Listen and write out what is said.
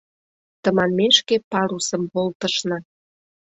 Тыманмешке парусым волтышна.